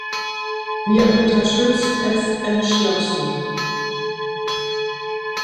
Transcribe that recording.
Wir unterstützen es entschlossen.